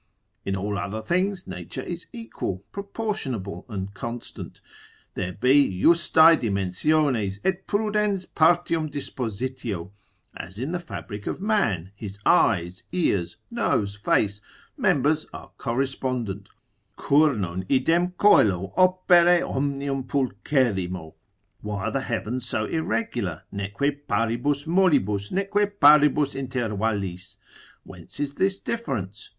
In all other things nature is equal, proportionable, and constant; there be justae dimensiones, et prudens partium dispositio, as in the fabric of man, his eyes, ears, nose, face, members are correspondent, cur non idem coelo opere omnium pulcherrimo? Why are the heavens so irregular, neque paribus molibus, neque paribus intervallis, whence is this difference?